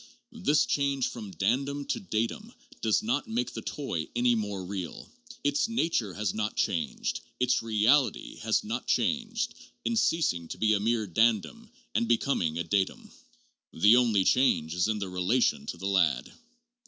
This change from dandum to datum does not make the toy any more real. Its nature has not changed, its reality has not changed, in ceasing to be a mere dandum and becoming a datum. The only change is in its relation to the lad.